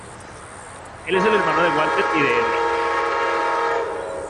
Es el hermano de Walter y de Eddy.